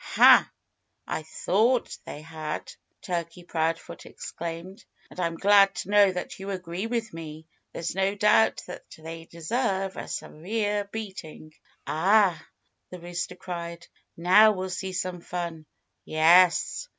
"Ha! I thought they had," Turkey Proudfoot exclaimed. "And I'm glad to know that you agree with me. There's no doubt that they deserve a severe beating." "Ah!" the rooster cried. "Now we'll see some fun." "Yes!"